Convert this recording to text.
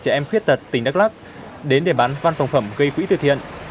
trẻ em khuyết tật tỉnh đắk lắc đến để bán văn phòng phẩm gây quỹ từ thiện